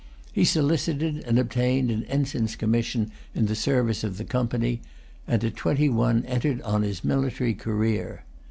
He solicited and obtained an ensign's commission in the service of the Company, and at twenty one entered on his military career.